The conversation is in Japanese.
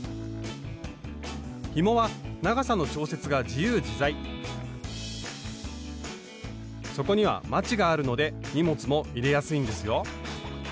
ひもは長さの調節が自由自在底にはまちがあるので荷物も入れやすいんですよ。